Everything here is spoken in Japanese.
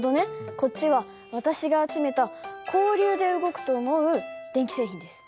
こっちは私が集めた交流で動くと思う電気製品です。